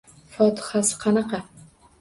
–Fotihasi qanaqa?